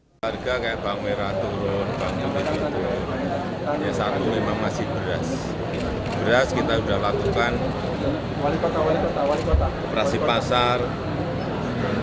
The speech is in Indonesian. jokowi menekankan stok beras dalam negeri masih cukup yakni dua juta ton beras lagi untuk memastikan ketersediaan beras di dalam negeri